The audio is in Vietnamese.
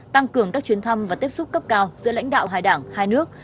tăng cường các chuyến thăm và tiếp xúc cấp cao giữa lãnh đạo hai đảng hai nước